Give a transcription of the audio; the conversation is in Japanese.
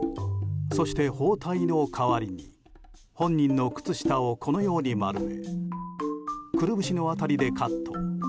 そして、包帯の代わりに本人の靴下をこのように丸めくるぶしの辺りでカット。